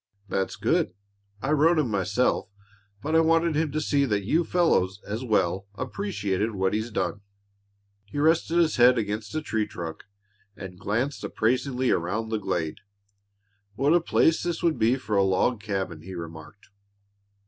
"That's good. I wrote him, myself, but I wanted him to see that you fellows, as well, appreciated what he's done." He rested his head against a tree trunk and glanced appraisingly around the glade. "What a place this would be for a log cabin!" he remarked.